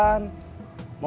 ingin berhubung sama ia